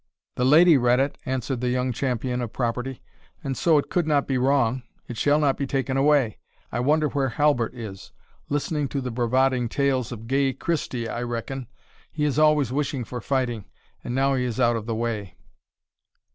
"The lady read it," answered the young champion of property; "and so it could not be wrong it shall not be taken away. I wonder where Halbert is? listening to the bravading tales of gay Christie, I reckon, he is always wishing for fighting, and now he is out of the way."